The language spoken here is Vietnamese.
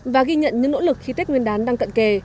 và ghi nhận những nỗ lực khi tết nguyên đán đang cận kề